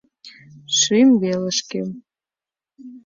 Шӱм велышке